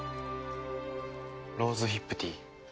ローズヒップティー。